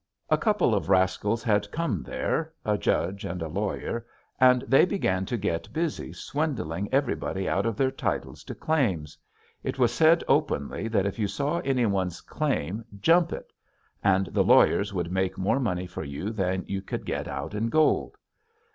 A couple of rascals had come there, a judge and a lawyer; and they began to get busy swindling everybody out of their titles to claims. It was said openly that if you saw anyone's claim 'jump it,' and the lawyers would make more money for you than you could get out in gold.